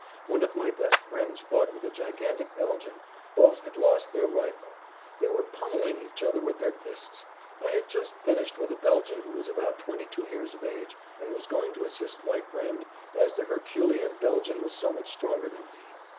One of my best friends fought with a gigantic Belgian; both had lost their rifle. They were pummeling each other with their fists. I had just finished with a Belgian who was about twenty two years of age, and was going to assist my friend, as the Herculean Belgian was so much stronger than he.